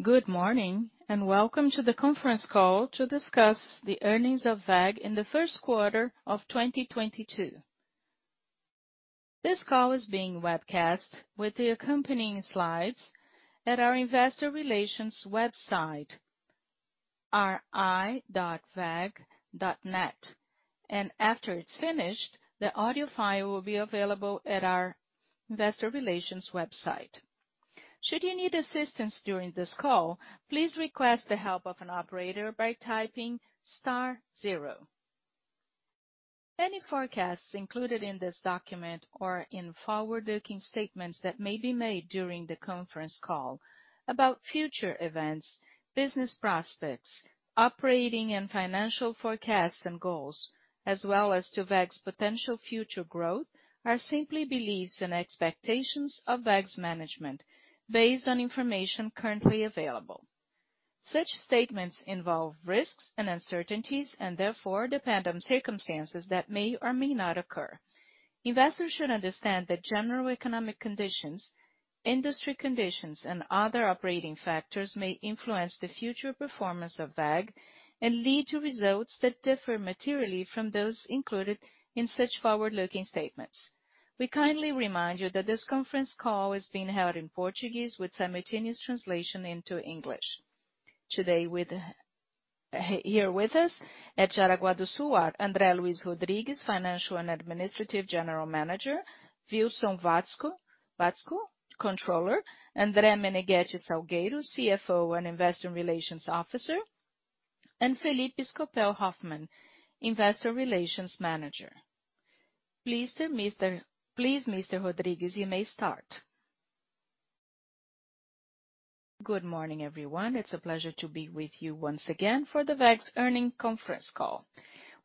Good morning, and welcome to the conference call to discuss the earnings of WEG in the first 1/4 of 2022. This call is being webcast with the accompanying slides at our investor relations website, ri.weg.net. After it's finished, the audio file will be available at our investor relations website. Should you need assistance during this call, please request the help of an operator by typing star zero. Any forecasts included in this document or in forward-looking statements that may be made during the conference call about future events, business prospects, operating and financial forecasts and goals, as well as to WEG's potential future growth, are simply beliefs and expectations of WEG's management based on information currently available. Such statements involve risks and uncertainties and therefore depend on circumstances that may or may not occur. Investors should understand that general economic conditions, industry conditions, and other operating factors may influence the future performance of WEG and lead to results that differ materially from those included in such forward-looking statements. We kindly remind you that this conference call is being held in Portuguese with simultaneous translation into English. Here with us at Jaraguá do Sul are André Luiz Rodrigues, Financial and Administrative General Manager, Wilson Watzko, controller, André Menegueti Salgueiro, CFO and Investor Relations Officer, and Felipe Scopel Hoffmann, Investor Relations Manager. Please, Mr. Rodrigues, you may start. Good morning, everyone. It's a pleasure to be with you once again for the WEG's earnings conference call.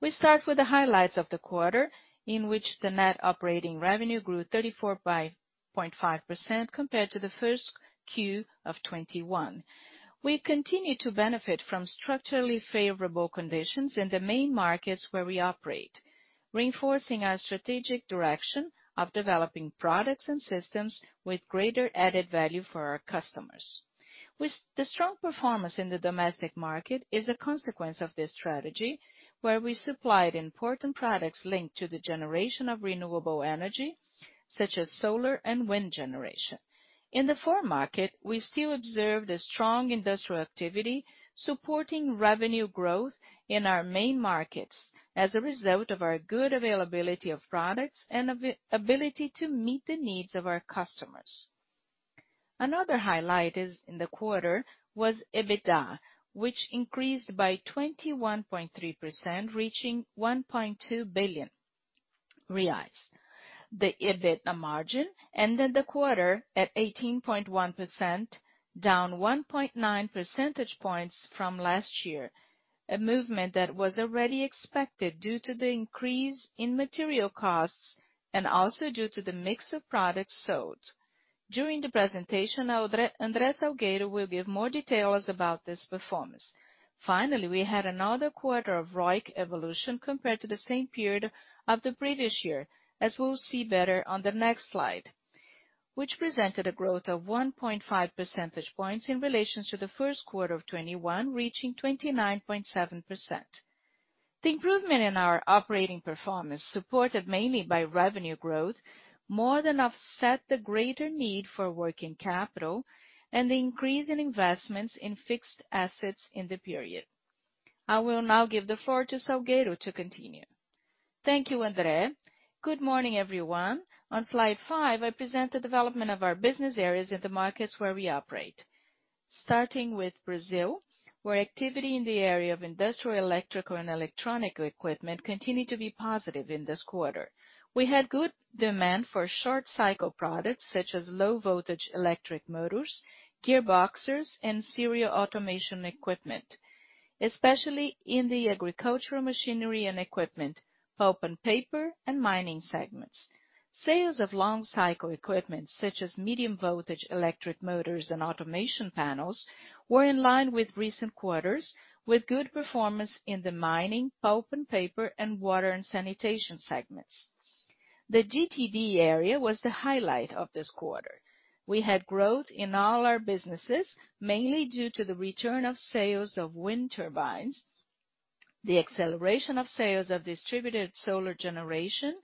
We start with the highlights of the 1/4 in which the net operating revenue grew 34.5% compared to the first Q of 2021. We continue to benefit from structurally favorable conditions in the main markets where we operate, reinforcing our strategic direction of developing products and systems with greater added value for our customers. The strong performance in the domestic market is a consequence of this strategy, where we supplied important products linked to the generation of renewable energy, such as solar and wind generation. In the foreign market, we still observe the strong industrial activity supporting revenue growth in our main markets as a result of our good availability of products and ability to meet the needs of our customers. Another highlight in the 1/4 was EBITDA, which increased by 21.3%, reaching BRL 1.2 billion. The EBITDA margin ended the 1/4 at 18.1%, down 1.9 percentage points from last year, a movement that was already expected due to the increase in material costs and also due to the mix of products sold. During the presentation, André Salgueiro will give more details about this performance. Finally, we had another 1/4 of ROIC evolution compared to the same period of the previous year, as we'll see better on the next slide, which presented a growth of 1.5 percentage points in relation to the first 1/4 of 2021, reaching 29.7%. The improvement in our operating performance, supported mainly by revenue growth, more than offset the greater need for working capital and the increase in investments in fixed assets in the period. I will now give the floor to Salgueiro to continue. Thank you, André. Good morning, everyone. On slide 5, I present the development of our business areas in the markets where we operate. Starting with Brazil, where activity in the area of industrial, electrical, and electronic equipment continued to be positive in this 1/4. We had good demand for short cycle products such as low voltage electric motors, gearboxes, and serial automation equipment, especially in the agricultural machinery and equipment, pulp and paper, and mining segments. Sales of long cycle equipment, such as medium voltage electric motors and automation panels, were in line with recent quarters with good performance in the mining, pulp and paper, and water and sanitation segments. The GTD area was the highlight of this 1/4. We had growth in all our businesses, mainly due to the return of sales of wind turbines, the acceleration of sales of distributed solar generation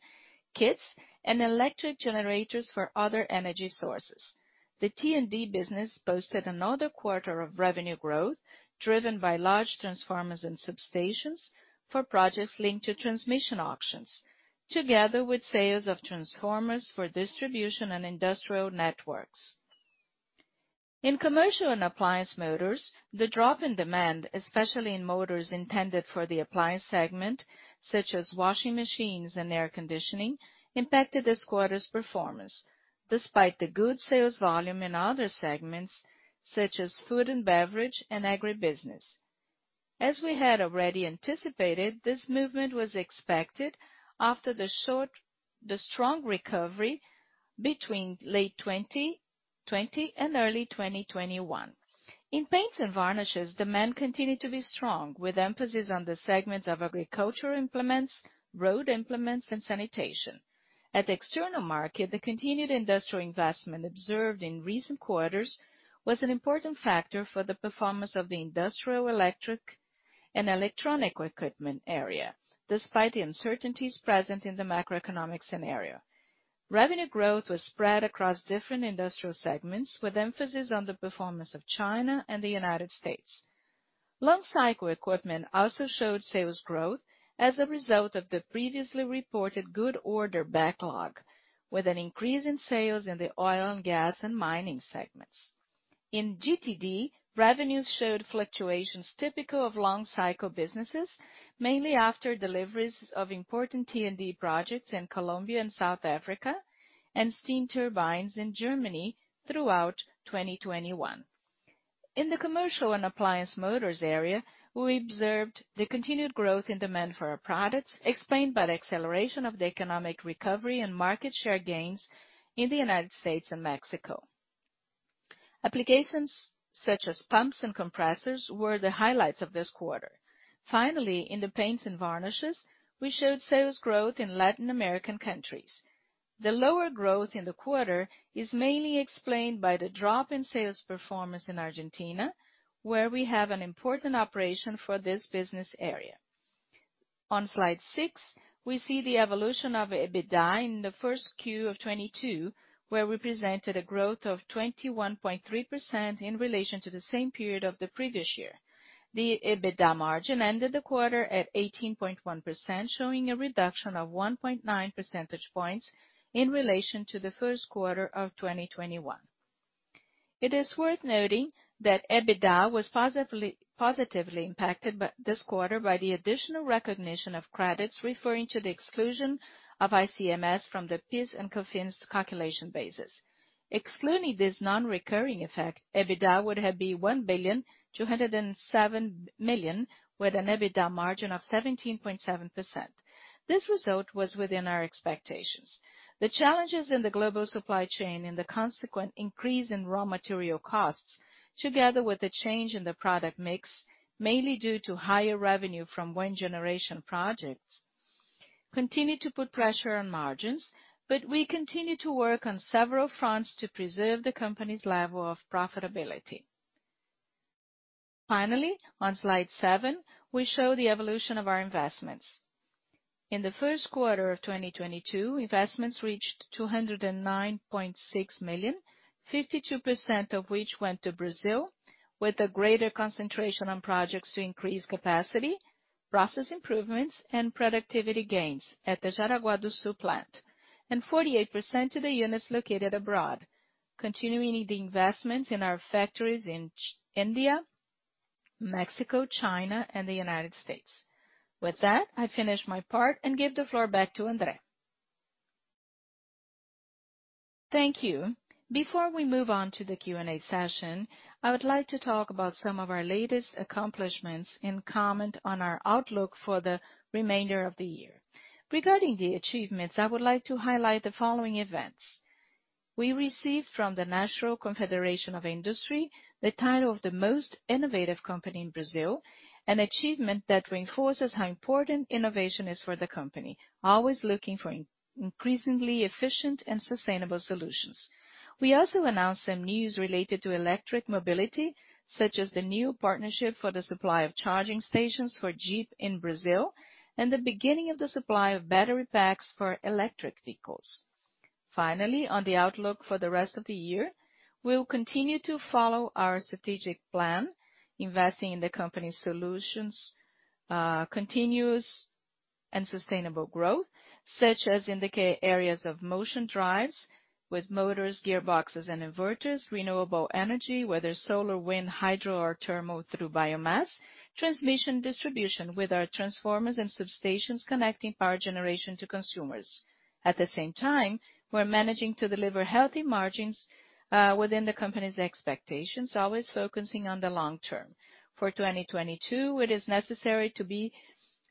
kits, and electric generators for other energy sources. The T&D business boasted another 1/4 of revenue growth driven by large transformers and substations for projects linked to transmission auctions, together with sales of transformers for distribution and industrial networks. In commercial and appliance motors, the drop in demand, especially in motors intended for the appliance segment, such as washing machines and air conditioning, impacted this quarters performance, despite the good sales volume in other segments, such as food and beverage and agribusiness. As we had already anticipated, this movement was expected after the strong recovery between late 2020 and early 2021. In paints and varnishes, demand continued to be strong, with emphasis on the segments of agricultural implements, road implements, and sanitation. At the external market, the continued industrial investment observed in recent quarters was an important factor for the performance of the industrial electric and electronic equipment area, despite the uncertainties present in the macroeconomic scenario. Revenue growth was spread across different industrial segments, with emphasis on the performance of China and the United States. Long cycle equipment also showed sales growth as a result of the previously reported good order backlog, with an increase in sales in the oil and gas and mining segments. In GTD, revenues showed fluctuations typical of long cycle businesses, mainly after deliveries of important T&D projects in Colombia and South Africa, and steam turbines in Germany throughout 2021. In the commercial and appliance motors area, we observed the continued growth in demand for our products, explained by the acceleration of the economic recovery and market share gains in the United States and Mexico. Applications such as pumps and compressors were the highlights of this 1/4. Finally, in the paints and varnishes, we showed sales growth in Latin American countries. The lower growth in the 1/4 is mainly explained by the drop in sales performance in Argentina, where we have an important operation for this business area. On slide 6, we see the evolution of EBITDA in the first Q of 2022, where we presented a growth of 21.3% in relation to the same period of the previous year. The EBITDA margin ended the 1/4 at 18.1%, showing a reduction of 1.9 percentage points in relation to the first 1/4 of 2021. It is worth noting that EBITDA was positively impacted by this 1/4 by the additional recognition of credits referring to the exclusion of ICMS from the PIS and COFINS calculation basis. Excluding this Non-recurring effect, EBITDA would have been 1.207 billion with an EBITDA margin of 17.7%. This result was within our expectations. The challenges in the global supply chain and the consequent increase in raw material costs, together with the change in the product mix, mainly due to higher revenue from wind generation projects, continue to put pressure on margins, but we continue to work on several fronts to preserve the company's level of profitability. Finally, on slide 7, we show the evolution of our investments. In the first 1/4 of 2022, investments reached 209.6 million, 52% of which went to Brazil, with a greater concentration on projects to increase capacity, process improvements, and productivity gains at the Jaraguá do Sul plant, and 48% to the units located abroad, continuing the investments in our factories in India, Mexico, China, and the United States. With that, I finish my part and give the floor back to André. Thank you. Before we move on to the Q&A session, I would like to talk about some of our latest accomplishments and comment on our outlook for the remainder of the year. Regarding the achievements, I would like to highlight the following events. We received from the National Confederation of Industry the title of the most innovative company in Brazil, an achievement that reinforces how important innovation is for the company, always looking for increasingly efficient and sustainable solutions. We also announced some news related to electric mobility, such as the new partnership for the supply of charging stations for Jeep in Brazil, and the beginning of the supply of battery packs for electric vehicles. Finally, on the outlook for the rest of the year, we'll continue to follow our strategic plan, investing in the company's solutions, continuous and sustainable growth, such as in the key areas of motion drives with motors, gearboxes and inverters, renewable energy, whether solar, wind, hydro or thermal through biomass, transmission distribution with our transformers and substations connecting power generation to consumers. At the same time, we're managing to deliver healthy margins within the company's expectations, always focusing on the long term. For 2022, it is necessary to be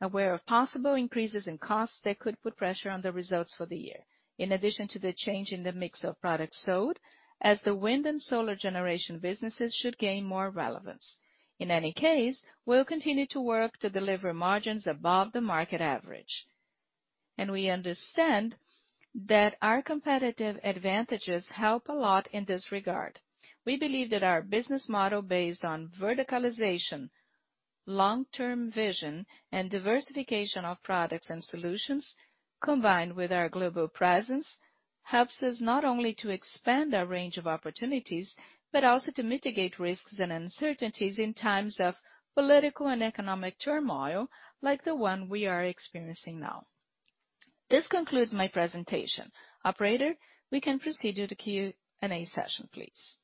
aware of possible increases in costs that could put pressure on the results for the year. In addition to the change in the mix of products sold, as the wind and solar generation businesses should gain more relevance. In any case, we'll continue to work to deliver margins above the market average. We understand that our competitive advantages help a lot in this regard. We believe that our business model based on verticalization, long-term vision, and diversification of products and solutions, combined with our global presence, helps us not only to expand our range of opportunities, but also to mitigate risks and uncertainties in times of political and economic turmoil like the one we are experiencing now. This concludes my presentation. Operator, we can proceed to the Q&A session, please.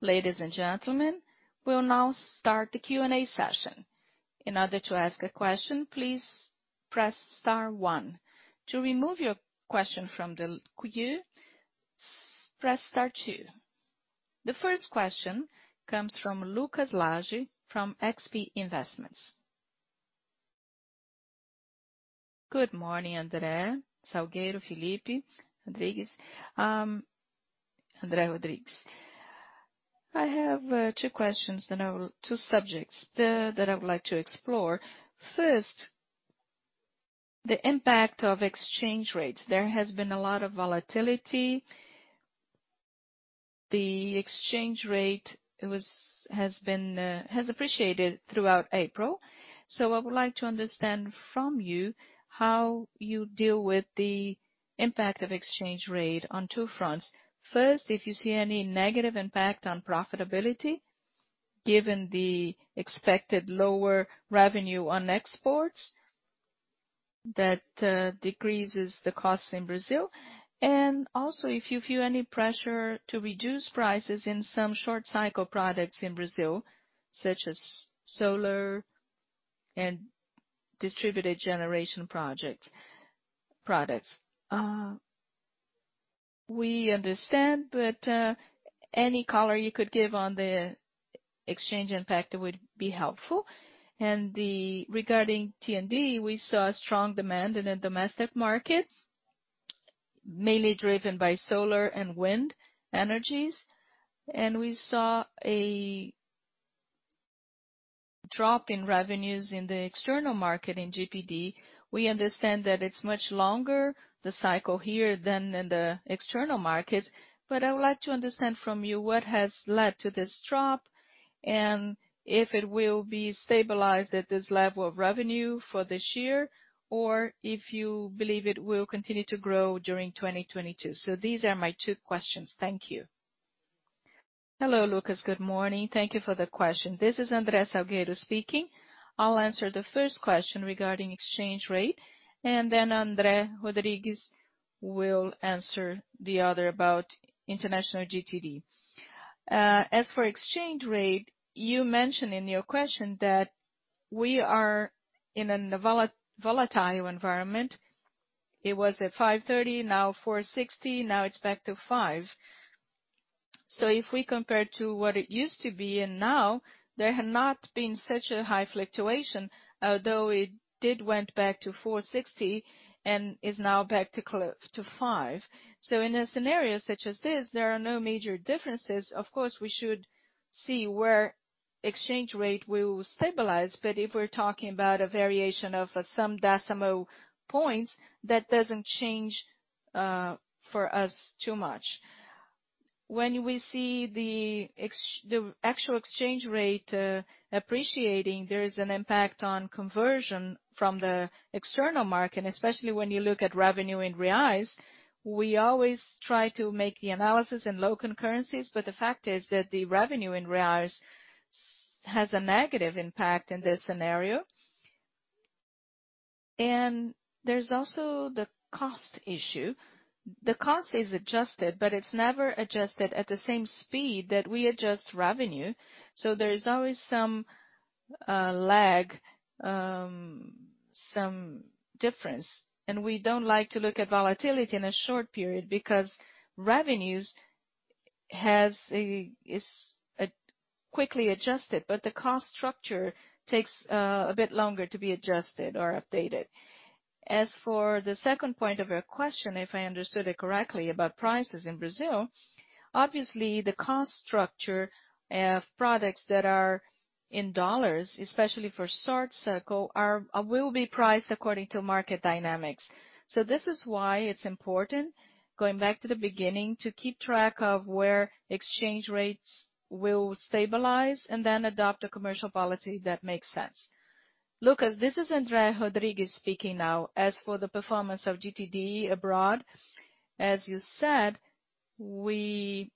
Ladies and gentlemen, we'll now start the Q&A session. In order to ask a question, please press star one. To remove your question from the queue, press star 2. The first question comes from Lucas Laghi from XP Investments. Good morning, André Salgueiro, Felipe Scopel Hoffmann, André Rodrigues. I have 2 subjects that I would like to explore. First, the impact of exchange rates. There has been a lot of volatility. The exchange rate has appreciated throughout April. I would like to understand from you how you deal with the impact of exchange rate on 2 fronts. First, if you see any negative impact on profitability, given the expected lower revenue on exports that decreases the costs in Brazil. Also if you feel any pressure to reduce prices in some short cycle products in Brazil, such as solar and distributed generation project-products. We understand, but, any color you could give on the exchange impact would be helpful. Regarding T&D, we saw strong demand in the domestic markets, mainly driven by solar and wind energies. We saw a drop in revenues in the external market in GTD. We understand that it's much longer, the cycle here than in the external markets. I would like to understand from you what has led to this drop, and if it will be stabilized at this level of revenue for this year, or if you believe it will continue to grow during 2022. These are my 2 questions. Thank you. Hello, Lucas, good morning. Thank you for the question. This is André Salgueiro speaking. I'll answer the first question regarding exchange rate, and then André Rodrigues will answer the other about international GTD. As for exchange rate, you mentioned in your question that we are in a volatile environment. It was at 5.30, now 4.60, now it's back to 5. If we compare to what it used to be and now, there had not been such a high fluctuation, although it did went back to 4.60 and is now back to 5. In a scenario such as this, there are no major differences. Of course, we should see where exchange rate will stabilize. If we're talking about a variation of some decimal points, that doesn't change for us too much. When we see the actual exchange rate appreciating, there is an impact on conversion from the external market, especially when you look at revenue in reais. We always try to make the analysis in local currencies, but the fact is that the revenue in reais has a negative impact in this scenario. There's also the cost issue. The cost is adjusted, but it's never adjusted at the same speed that we adjust revenue. There is always some lag, some difference. We don't like to look at volatility in a short period because revenue is quickly adjusted, but the cost structure takes a bit longer to be adjusted or updated. As for the second point of your question, if I understood it correctly about prices in Brazil, obviously, the cost structure of products that are in dollars, especially for short cycle, are, will be priced according to market dynamics. This is why it's important, going back to the beginning, to keep track of where exchange rates will stabilize and then adopt a commercial policy that makes sense. Lucas, this is André Rodrigues speaking now. As for the performance of GTD abroad, as you said, we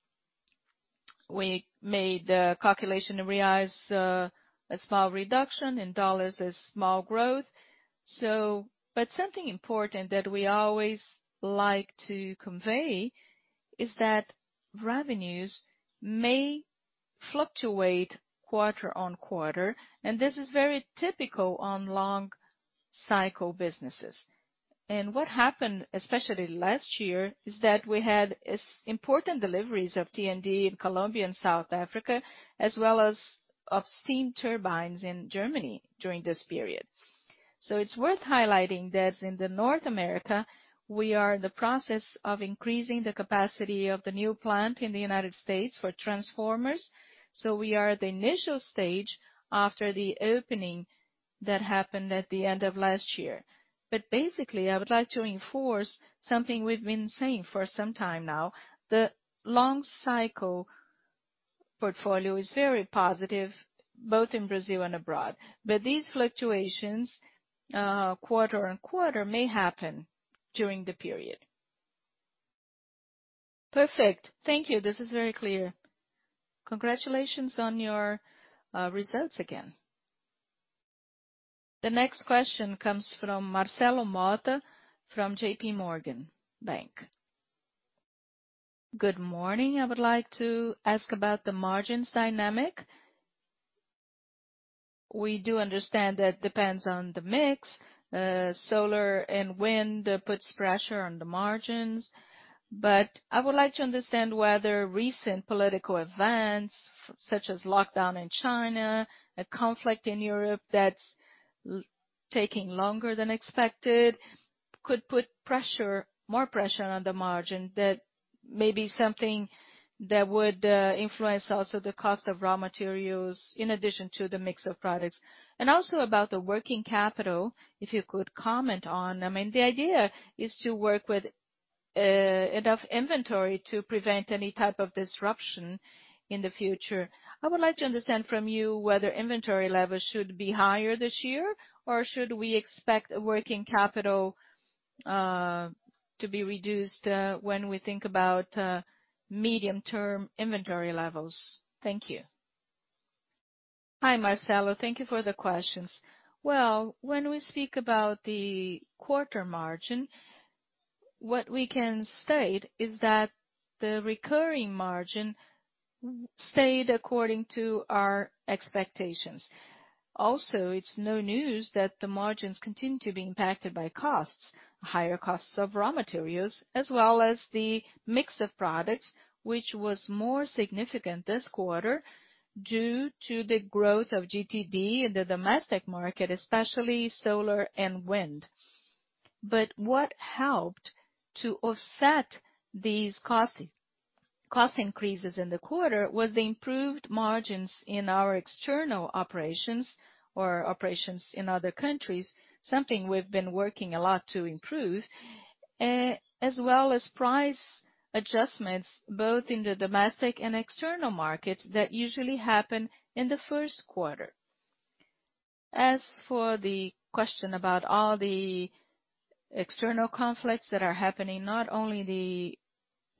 made a calculation in reais, a small reduction, in dollars a small growth. But something important that we always like to convey is that revenues may fluctuate 1/4-on-quarter, and this is very typical on long cycle businesses. What happened, especially last year, is that we had important deliveries of T&D in Colombia and South Africa, as well as of steam turbines in Germany during this period. It's worth highlighting that in North America, we are in the process of increasing the capacity of the new plant in the United States for transformers. We are at the initial stage after the opening that happened at the end of last year. Basically, I would like to enforce something we've been saying for some time now. The long cycle portfolio is very positive, both in Brazil and abroad. These fluctuations, 1/4-on-quarter may happen during the period. Perfect. Thank you. This is very clear. Congratulations on your results again. The next question comes from Marcelo Motta from J.P. Morgan. Good morning.I would like to ask about the margins dynamic. We do understand that depends on the mix. Solar and wind puts pressure on the margins. I would like to understand whether recent political events, such as lockdown in China, a conflict in Europe that's taking longer than expected could put pressure, more pressure on the margin that may be something that would influence also the cost of raw materials in addition to the mix of products. Also about the working capital, if you could comment on. I mean, the idea is to work with enough inventory to prevent any type of disruption in the future. I would like to understand from you whether inventory levels should be higher this year, or should we expect working capital to be reduced when we think about medium-term inventory levels. Thank you. Hi, Marcelo.Thank you for the questions. Well, when we speak about the 1/4 margin, what we can state is that the recurring margin stayed according to our expectations. Also, it's no news that the margins continue to be impacted by costs, higher costs of raw materials, as well as the mix of products, which was more significant this 1/4 due to the growth of GTD in the domestic market, especially solar and wind. What helped to offset these costs, cost increases in the 1/4 was the improved margins in our external operations or operations in other countries, something we've been working a lot to improve, as well as price adjustments both in the domestic and external market that usually happen in the first 1/4. As for the question about all the external conflicts that are happening, not only the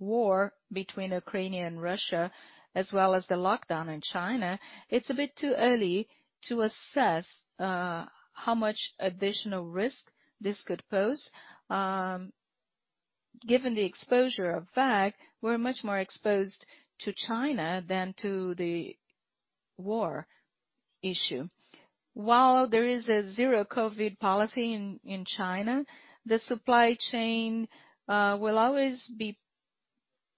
war between Ukraine and Russia, as well as the lockdown in China, it's a bit too early to assess how much additional risk this could pose. Given the exposure of WEG, we're much more exposed to China than to the war issue. While there is a zero COVID policy in China, the supply chain will always be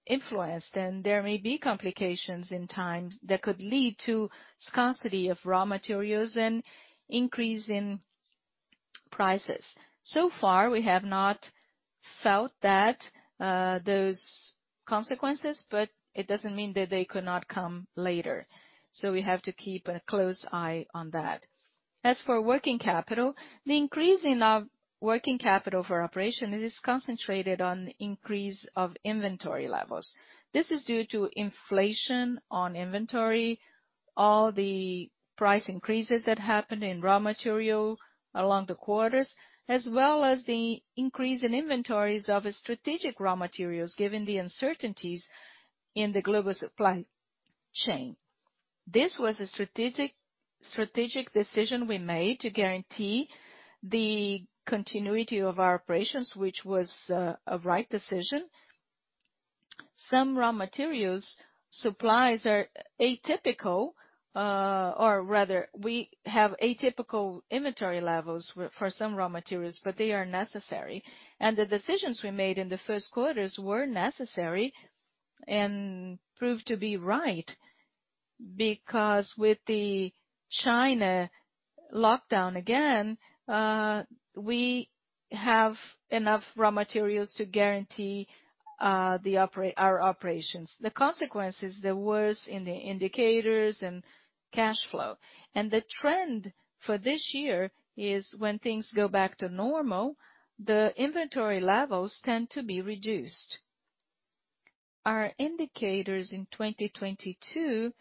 influenced, and there may be complications in times that could lead to scarcity of raw materials and increase in prices. So far, we have not felt that those consequences, but it doesn't mean that they could not come later. We have to keep a close eye on that. As for working capital, the increase in our working capital for operation is concentrated on the increase of inventory levels. This is due to inflation on inventory, all the price increases that happened in raw material along the quarters, as well as the increase in inventories of strategic raw materials, given the uncertainties in the global supply chain. This was a strategic decision we made to guarantee the continuity of our operations, which was a right decision. Some raw materials supplies are atypical, or rather we have atypical inventory levels for some raw materials, but they are necessary. The decisions we made in the first quarters were necessary and proved to be right, because with the China lockdown again, we have enough raw materials to guarantee our operations. The consequence is the worsening in the indicators and cash flow. The trend for this year is when things go back to normal, the inventory levels tend to be reduced. Our indicators in 2022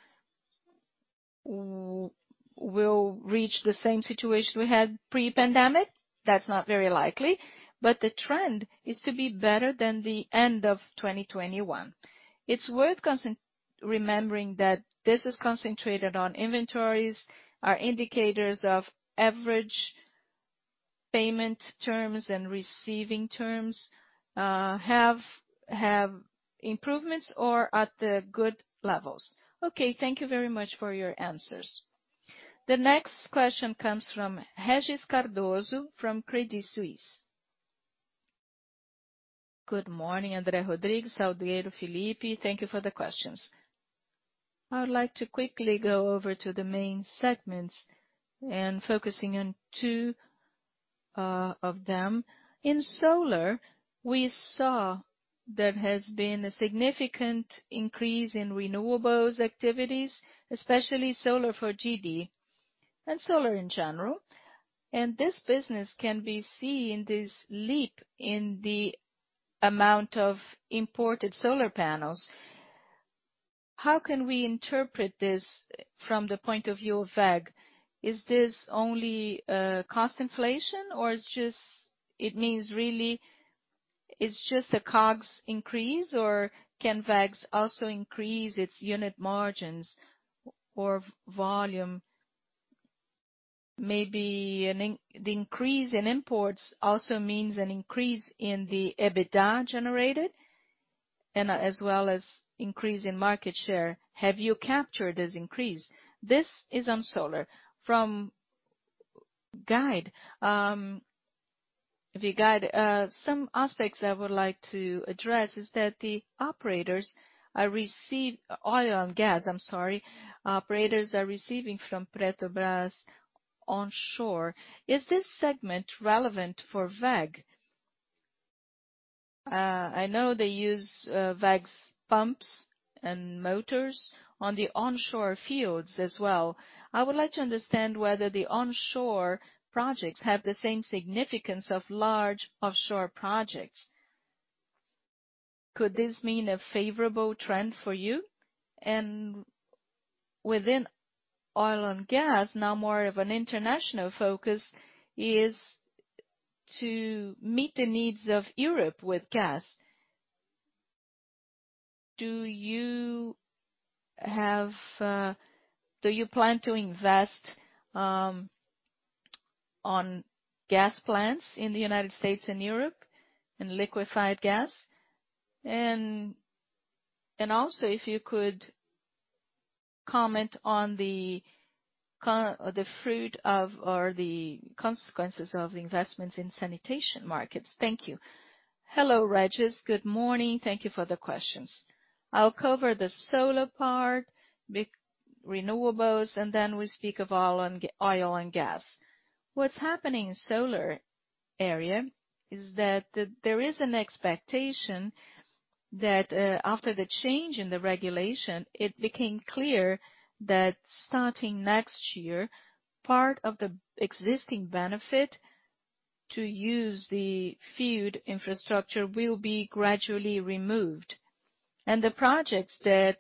will reach the same situation we had Pre-pandemic. That's not very likely, but the trend is to be better than the end of 2021. It's worth remembering that this is concentrated on inventories. Our indicators of average payment terms and receiving terms have improvements or at the good levels. Okay, thank you very much for your answers. The next question comes from Regis Cardoso from Credit Suisse. Good morning, André Rodrigues, Salgueiro, Felipe. Thank you for the questions. I would like to quickly go over to the main segments and focusing on 2 of them. In solar, we saw there has been a significant increase in renewables activities, especially solar for GD and solar in general. This business can be seen this leap in the amount of imported solar panels. How can we interpret this from the point of view of WEG? Is this only cost inflation, or it means really it's just the COGS increase, or can WEG also increase its unit margins or volume? Maybe the increase in imports also means an increase in the EBITDA generated and as well as increase in market share. Have you captured this increase? This is on solar. From the guide, some aspects I would like to address is that the operators are oil and gas, I'm sorry, operators are receiving from Petrobras onshore. Is this segment relevant for WEG? I know they use WEG's pumps and motors on the onshore fields as well. I would like to understand whether the onshore projects have the same significance of large offshore projects. Could this mean a favorable trend for you? Within oil and gas, now more of an international focus is to meet the needs of Europe with gas. Do you have, do you plan to invest on gas plants in the United States and Europe, and liquefied gas? Also if you could comment on the consequences of the investments in sanitation markets. Thank you. Hello, Regis. Good morning. Thank you for the questions. I'll cover the solar part, renewables, and then we speak of oil and gas. What's happening in solar area is that there is an expectation that after the change in the regulation, it became clear that starting next year, part of the existing benefit to use the field infrastructure will be gradually removed. The projects that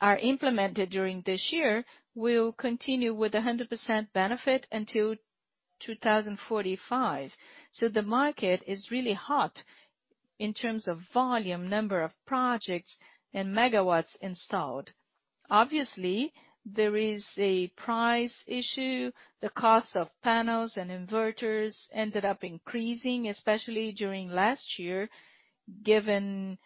are implemented during this year will continue with 100% benefit until 2045. The market is really hot in terms of volume, number of projects and megawatts installed. Obviously, there is a price issue. The cost of panels and inverters ended up increasing, especially during last year, given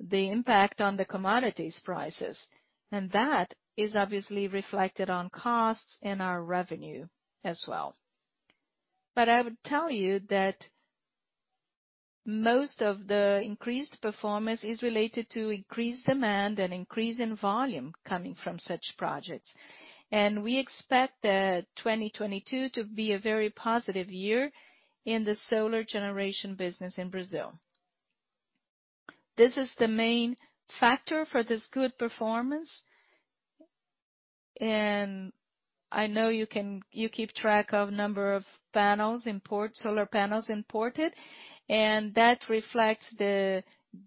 the impact on the commodities prices. That is obviously reflected on costs and our revenue as well. I would tell you that most of the increased performance is related to increased demand and increase in volume coming from such projects. We expect 2022 to be a very positive year in the solar generation business in Brazil. This is the main factor for this good performance. I know you can, you keep track of number of panels imports, solar panels imported, and that reflects the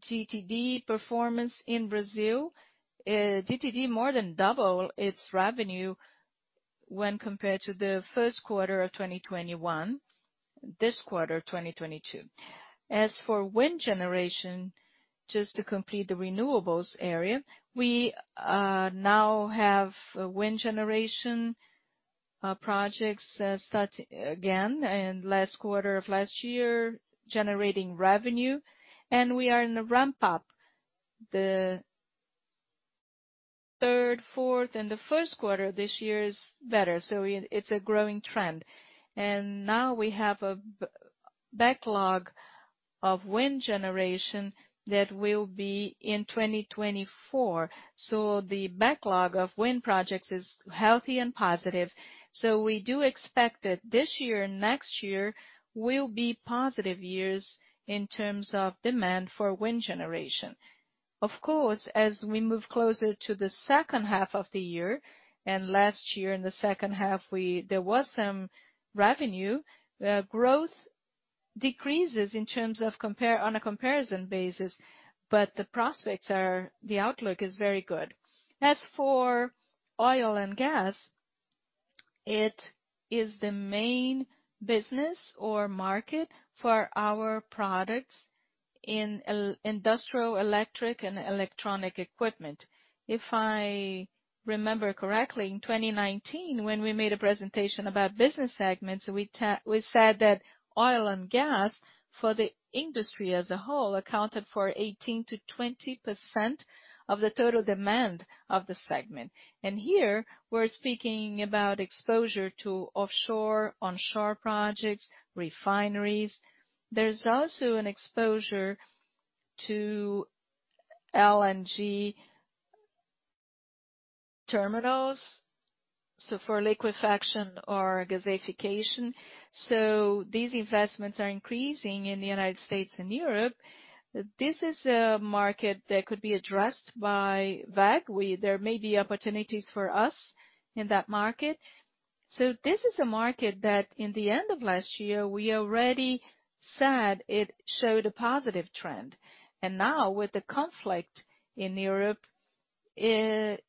GTD performance in Brazil. GTD more than double its revenue when compared to the first 1/4 of 2021, this 1/4, 2022. As for wind generation, just to complete the renewables area, we now have wind generation projects start again in last 1/4 of last year generating revenue, and we are in a ramp up. The 1/3, 4th, and the first 1/4 this year is better. It's a growing trend. Now we have a backlog of wind generation that will be in 2024. The backlog of wind projects is healthy and positive. We do expect that this year, next year, will be positive years in terms of demand for wind generation. Of course, as we move closer to the second half of the year, and last year in the second half there was some revenue growth decreases in terms of comparison, on a comparison basis, but the prospects are, the outlook is very good. As for oil and gas, it is the main business or market for our products in industrial electric and electronic equipment. If I remember correctly, in 2019, when we made a presentation about business segments, we said that oil and gas for the industry as a whole accounted for 18%-20% of the total demand of the segment. Here, we're speaking about exposure to offshore, onshore projects, refineries. There's also an exposure to LNG terminals, so for liquefaction or gasification. These investments are increasing in the United States and Europe. This is a market that could be addressed by WEG. There may be opportunities for us in that market. This is a market that in the end of last year, we already said it showed a positive trend. Now with the conflict in Europe, it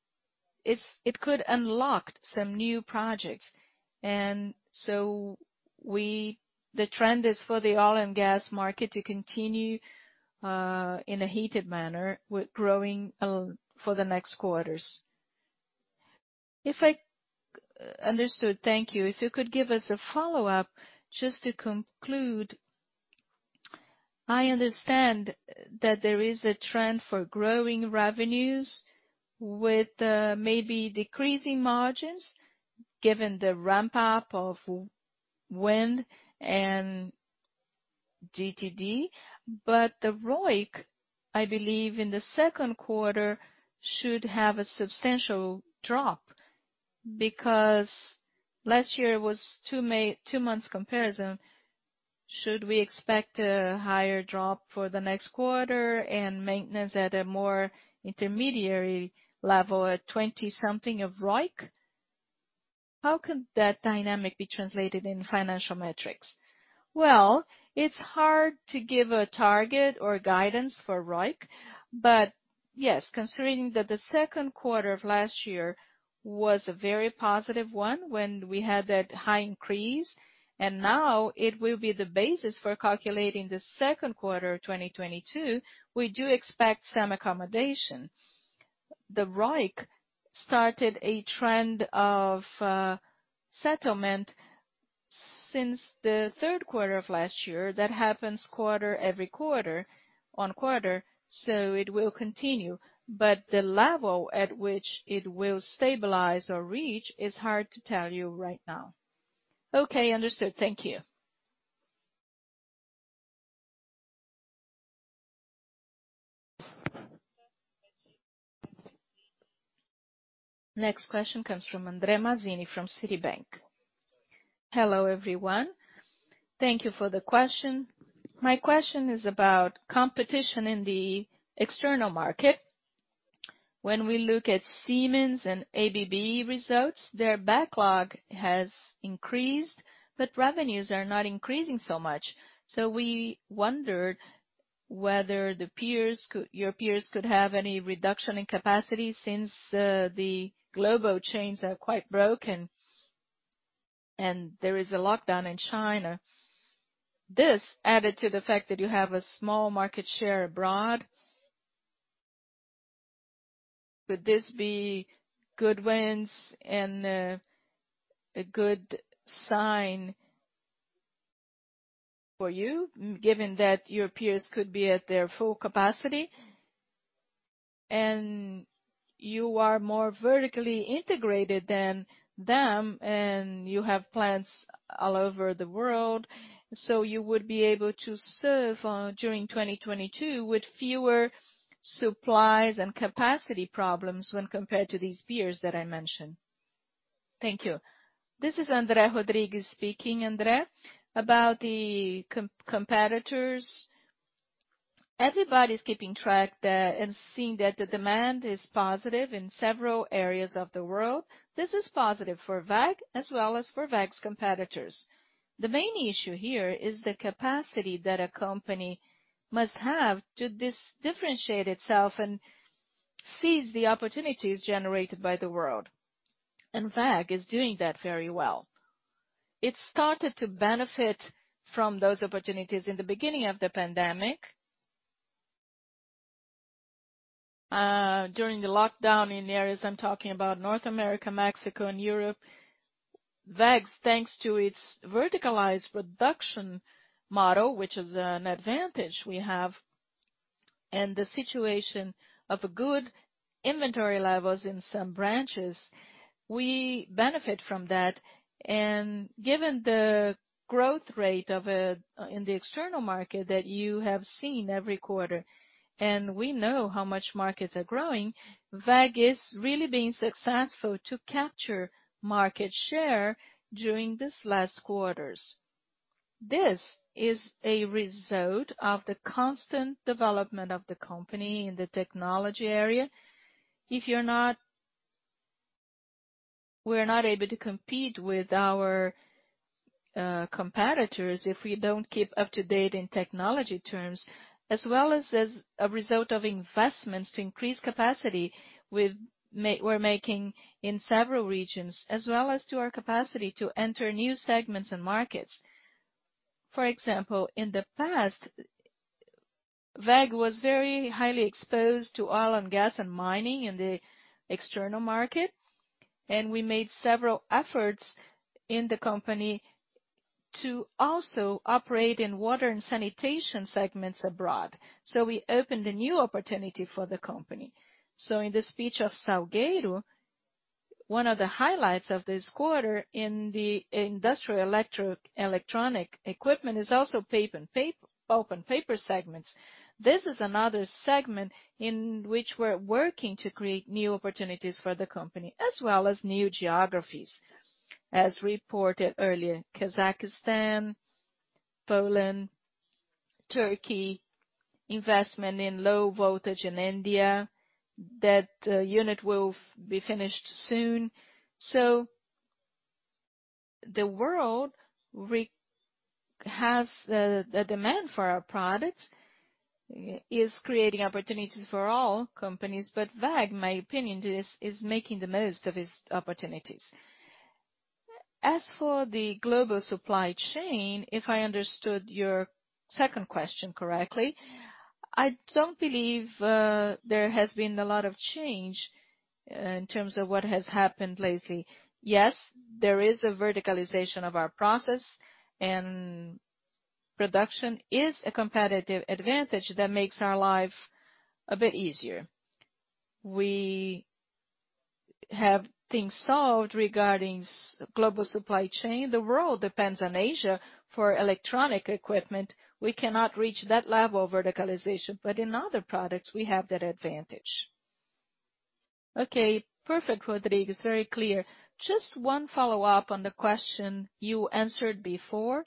could unlock some new projects. The trend is for the oil and gas market to continue in a heated manner with growing for the next quarters. Understood. Thank you. If you could give us a follow-up, just to conclude. I understand that there is a trend for growing revenues with maybe decreasing margins given the ramp up of wind and GTD. The ROIC, I believe, in the second 1/4, should have a substantial drop. Because last year was 2 months comparison, should we expect a higher drop for the next 1/4 and maintenance at a more intermediary level at 20-something% ROIC? How can that dynamic be translated in financial metrics? Well, it's hard to give a target or guidance for ROIC. Yes, considering that the second 1/4 of last year was a very positive one when we had that high increase, and now it will be the basis for calculating the second 1/4 2022, we do expect some accommodation. The ROIC started a trend of settlement since the 1/3 1/4 of last year. That happens 1/4-over-quarter, so it will continue. The level at which it will stabilize or reach is hard to tell you right now. Okay, understood. Thank you. Next question comes from André Mazini from Citibank. Hello, everyone. Thank you for the question. My question is about competition in the external market. When we look at Siemens and ABB results, their backlog has increased, but revenues are not increasing so much. We wondered whether your peers could have any reduction in capacity since the global supply chains are quite broken and there is a lockdown in China. This added to the fact that you have a small market share abroad. Could this be good wins and a good sign for you, given that your peers could be at their full capacity, and you are more vertically integrated than them, and you have plants all over the world, so you would be able to serve during 2022 with fewer supplies and capacity problems when compared to these peers that I mentioned. Thank you. This is André Rodrigues speaking, André. About the competitors, everybody's keeping track of that and seeing that the demand is positive in several areas of the world. This is positive for WEG as well as for WEG's competitors. The main issue here is the capacity that a company must have to differentiate itself and seize the opportunities generated by the world. WEG is doing that very well. It started to benefit from those opportunities in the beginning of the pandemic. During the lockdown in areas, I'm talking about North America, Mexico and Europe. WEG's, thanks to its verticalized production model, which is an advantage we have, and the situation of a good inventory levels in some branches, we benefit from that. Given the growth rate of in the external market that you have seen every 1/4, and we know how much markets are growing, WEG is really being successful to capture market share during these last quarters. This is a result of the constant development of the company in the technology area. We're not able to compete with our competitors if we don't keep up to date in technology terms, as well as a result of investments to increase capacity we're making in several regions, as well as to our capacity to enter new segments and markets. For example, in the past, WEG was very highly exposed to oil and gas and mining in the external market, and we made several efforts in the company to also operate in water and sanitation segments abroad. We opened a new opportunity for the company. In the speech of André Salgueiro, one of the highlights of this 1/4 in the industrial electro-electronic equipment is also pulp and paper segments. This is another segment in which we're working to create new opportunities for the company, as well as new geographies. As reported earlier, Kazakhstan, Poland, Turkey, investment in low voltage in India, that unit will be finished soon. The world has the demand for our products. It's creating opportunities for all companies, but WEG, in my opinion, is making the most of its opportunities. As for the global supply chain, if I understood your second question correctly, I don't believe there has been a lot of change in terms of what has happened lately. Yes, there is a verticalization of our process, and production is a competitive advantage that makes our life a bit easier. We have things solved regarding global supply chain. The world depends on Asia for electronic equipment. We cannot reach that level of verticalization, but in other products, we have that advantage. Okay, perfect, Rodrigues, very clear. Just one follow-up on the question you answered before.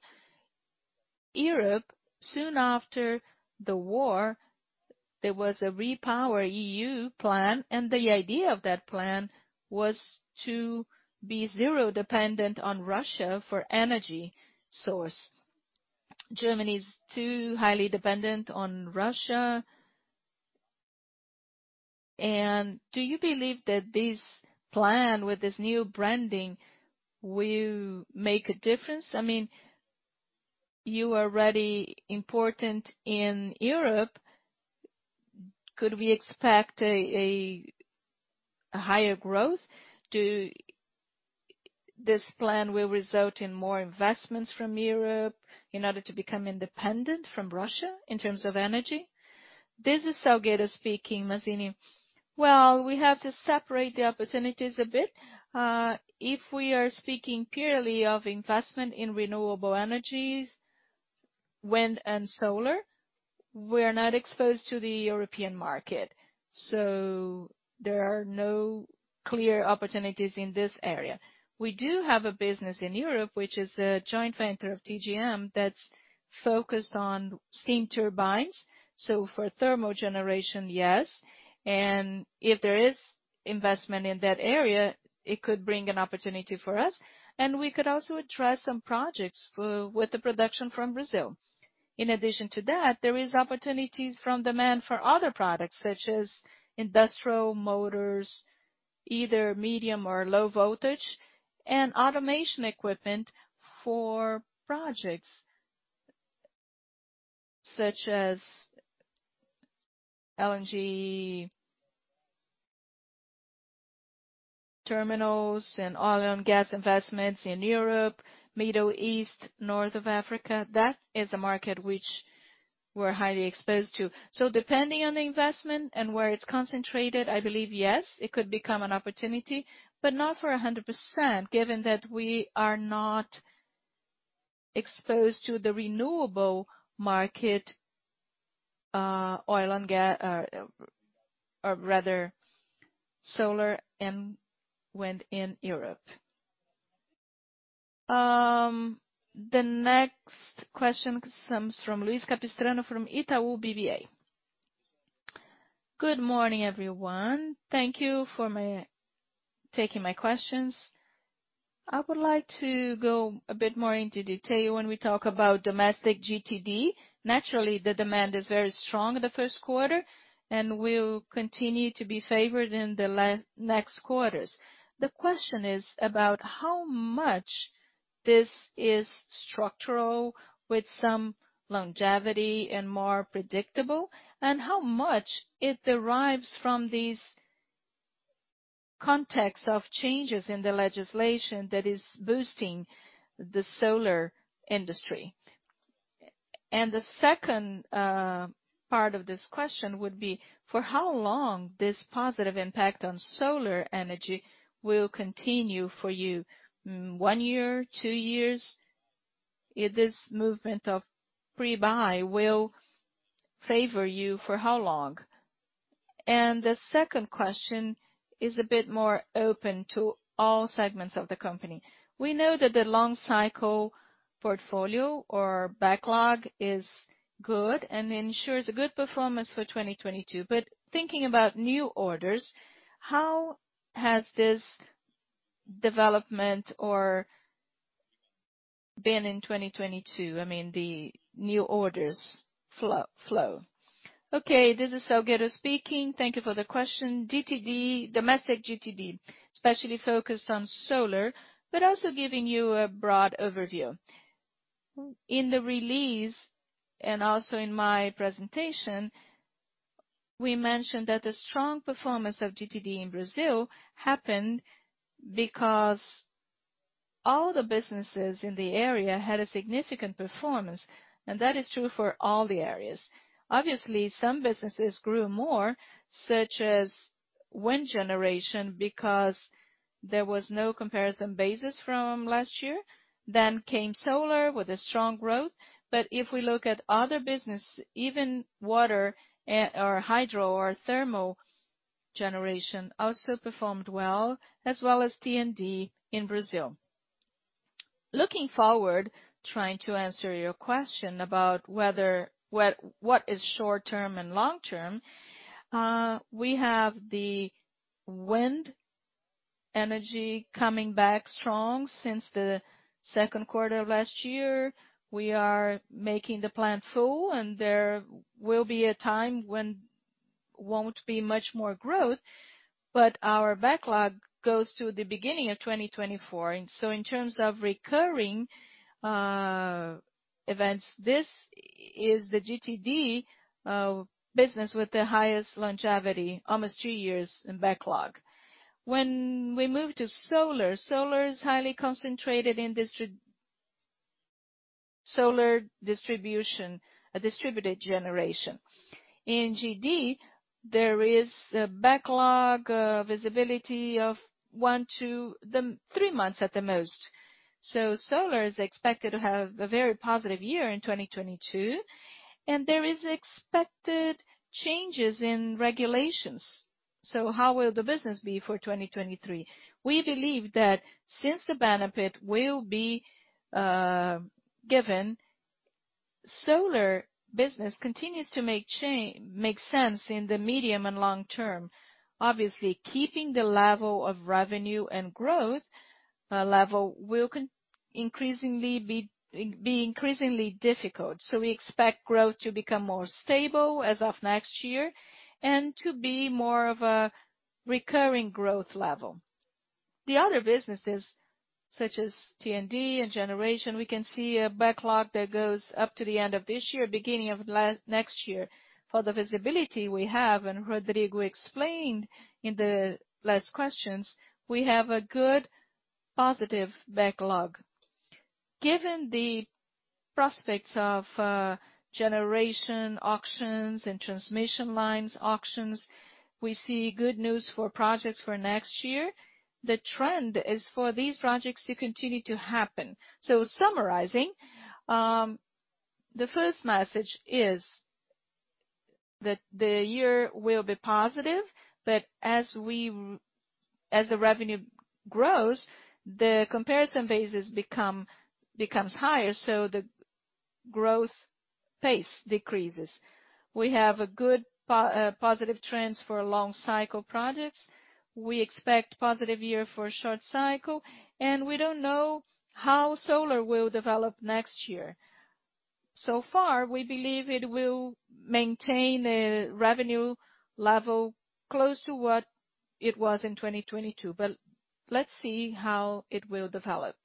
Europe, soon after the war, there was a REPowerEU plan, and the idea of that plan was to be zero dependent on Russia for energy source. Germany is too highly dependent on Russia. Do you believe that this plan with this new branding will make a difference? I mean, you are already important in Europe. Could we expect a higher growth? This plan will result in more investments from Europe in order to become independent from Russia in terms of energy. This is André Salgueiro speaking, André Mazini. Well, we have to separate the opportunities a bit. If we are speaking purely of investment in renewable energies, wind and solar, we're not exposed to the European market, so there are no clear opportunities in this area. We do have a business in Europe, which is a joint venture of TGM that's focused on steam turbines. So for thermal generation, yes. If there is investment in that area, it could bring an opportunity for us, and we could also address some projects with the production from Brazil. In addition to that, there are opportunities from demand for other products, such as industrial motors, either medium or low voltage, and automation equipment for projects such as LNG terminals and oil and gas investments in Europe, Middle East, North Africa. That is a market which we're highly exposed to. Depending on the investment and where it's concentrated, I believe yes, it could become an opportunity, but not for 100%, given that we are not exposed to the renewable market, or rather solar and wind in Europe. The next question comes from Luiz Capistrano from Itaú BBA. Good morning, everyone. Thank you for taking my questions. I would like to go a bit more into detail when we talk about domestic GTD.Naturally, the demand is very strong in the first 1/4 and will continue to be favored in the next quarters. The question is about how much this is structural with some longevity and more predictable, and how much it derives from this context of changes in the legislation that is boosting the solar industry. The second part of this question would be, for how long this positive impact on solar energy will continue for you? One year, 2 years? This movement of Pre-buy will favor you for how long? The second question is a bit more open to all segments of the company. We know that the long cycle portfolio or backlog is good and ensures a good performance for 2022. But thinking about new orders, how has this development or been in 2022, I mean, the new orders flow? Okay, this is André Salgueiro speaking. Thank you for the question. GTD, domestic GTD, especially focused on solar, but also giving you a broad overview. In the release, and also in my presentation, we mentioned that the strong performance of GTD in Brazil happened because all the businesses in the area had a significant performance, and that is true for all the areas. Obviously, some businesses grew more, such as wind generation, because there was no comparison basis from last year, then came solar with a strong growth. If we look at other business, even water or hydro or thermal generation also performed well, as well as T&D in Brazil. Looking forward, trying to answer your question about what is short term and long term, we have the wind energy coming back strong since the second 1/4 of last year. We are making the plan full, and there will be a time when there won't be much more growth, but our backlog goes to the beginning of 2024. In terms of recurring revenues, this is the GTD business with the highest longevity, almost 2 years in backlog. When we move to solar is highly concentrated in solar distribution, a distributed generation. In GD, there is a backlog visibility of one to 3 months at the most. Solar is expected to have a very positive year in 2022, and there is expected changes in regulations. How will the business be for 2023? We believe that since the benefit will be given, solar business continues to make sense in the medium and long term. Obviously, keeping the level of revenue and growth, level will increasingly be increasingly difficult. We expect growth to become more stable as of next year and to be more of a recurring growth level. The other businesses, such as T&D and generation, we can see a backlog that goes up to the end of this year, beginning of next year. For the visibility we have, and Rodrigo explained in the last questions, we have a good positive backlog. Given the prospects of generation auctions and transmission lines auctions, we see good news for projects for next year. The trend is for these projects to continue to happen. Summarizing, the first message is that the year will be positive, but as the revenue grows, the comparison basis becomes higher, so the growth pace decreases. We have a good positive trends for long cycle projects. We expect positive year for short cycle, and we don't know how solar will develop next year. So far, we believe it will maintain a revenue level close to what it was in 2022, but let's see how it will develop.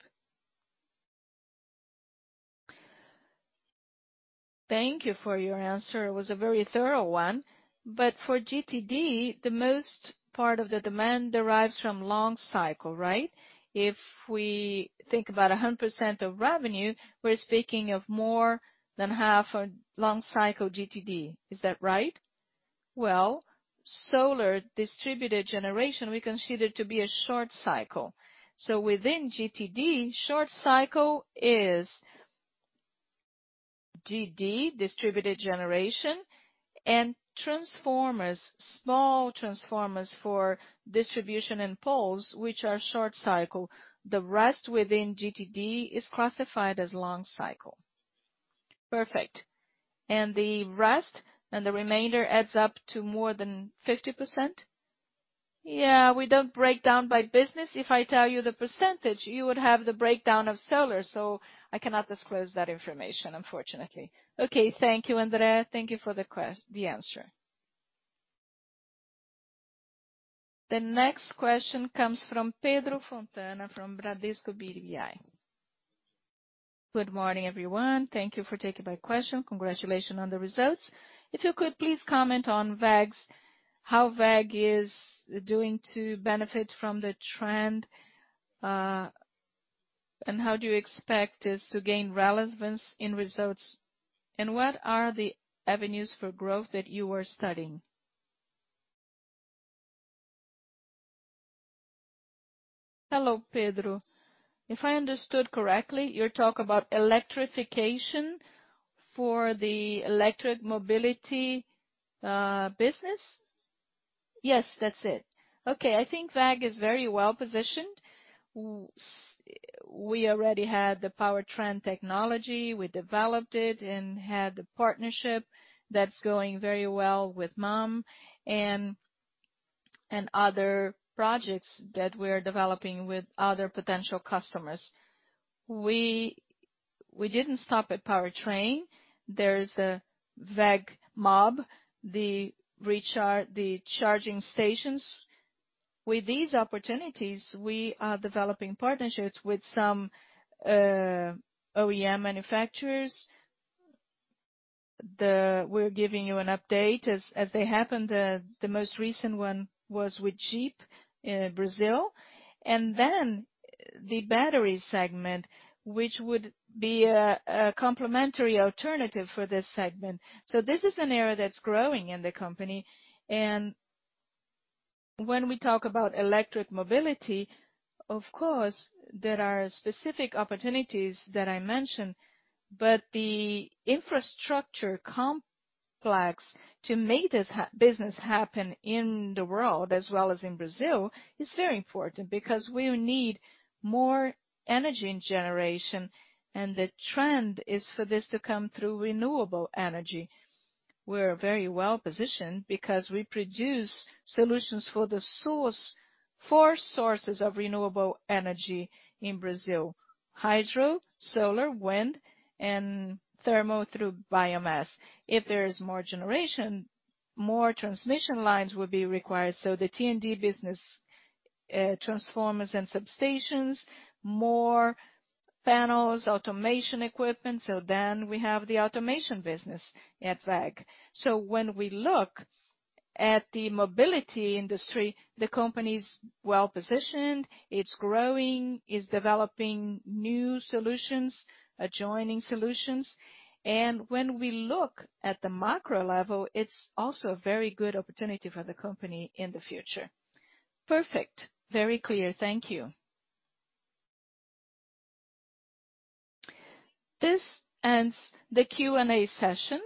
Thank you for your answer. It was a very thorough one. For GTD, the most part of the demand derives from long cycle, right? If we think about 100% of revenue, we're speaking of more than half of long cycle GTD. Is that right? Well, solar distributed generation, we consider to be a short cycle. Within GTD, short cycle is DG, distributed generation, and transformers, small transformers for distribution and poles, which are short cycle. The rest within GTD is classified as long cycle. Perfect.The rest and the remainder adds up to more than 50%? Yeah. We don't break down by business. If I tell you the percentage, you would have the breakdown of solar, so I cannot disclose that information, unfortunately. Okay. Thank you, André. Thank you for the answer. The next question comes from Pedro Fontana from Bradesco BBI. Good morning, everyone. Thank you for taking my question. Congratulations on the results. If you could please comment on WEG's, how WEG is doing to benefit from the trend, and how do you expect this to gain relevance in results? And what are the avenues for growth that you are studying? Hello, Pedro. If I understood correctly, you talk about electrification for the electric mobility business. Yes, that's it. Okay. I think WEG is very well-positioned. We already had the powertrain technology. We developed it and had the partnership that's going very well with MAN and other projects that we're developing with other potential customers. We didn't stop at powertrain. There's a WEMOB, the recharge, the charging stations. With these opportunities, we are developing partnerships with some OEM manufacturers. We're giving you an update as they happen. The most recent one was with Jeep in Brazil. Then the battery segment, which would be a complementary alternative for this segment. This is an area that's growing in the company. When we talk about electric mobility, of course, there are specific opportunities that I mentioned, but the infrastructure complex to make this business happen in the world as well as in Brazil is very important because we'll need more energy in generation, and the trend is for this to come through renewable energy. We're very well-positioned because we produce solutions for the source, 4 sources of renewable energy in Brazil: hydro, solar, wind, and thermal through biomass. If there is more generation, more transmission lines will be required, so the T&D business, transformers and substations, more panels, automation equipment, so then we have the automation business at WEG. When we look at the mobility industry, the company's well-positioned, it's growing, it's developing new solutions, adjoining solutions. When we look at the macro level, it's also a very good opportunity for the company in the future. Perfect. Very clear. Thank you. This ends the Q&A session.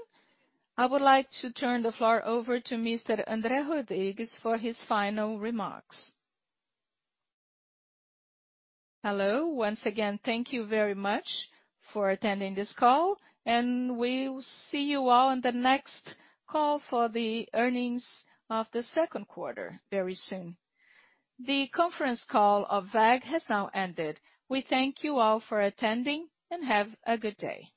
I would like to turn the floor over to Mr. André Rodrigues for his final remarks. Hello once again. Thank you very much for attending this call, and we will see you all in the next call for the earnings of the second 1/4 very soon. The conference call of WEG has now ended. We thank you all for attending, and have a good day.